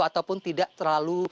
ataupun tidak terlalu